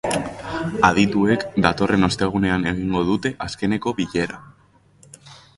Adituek datorren ostegunean egingo dute azkeneko bilera.